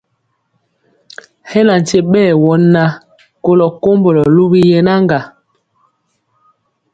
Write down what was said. Hɛ na nkye ɓɛɛ wɔ na kolɔ kombɔlɔ luwi yenaŋga.